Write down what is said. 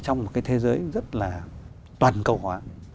trong một cái thế giới rất là toàn cầu hóa